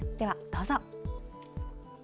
どうぞ！